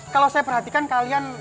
kalau saya perhatikan kalian